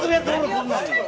こんなん。